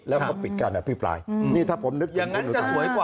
แล้วเขาปิดการอธิบายอืมนี่ถ้าผมนึกจริงอย่างนั้นจะสวยกว่า